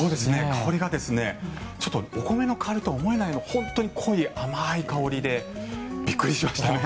香りがお米の香りとは思えないような本当に濃い甘い香りでびっくりしましたね。